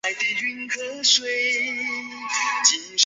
随后软件建议将相关应用显示在另一侧。